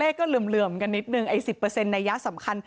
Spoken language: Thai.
ตัวเลขก็เหลื่อมกันนิดนึงไอ้๑๐นัยสำคัญ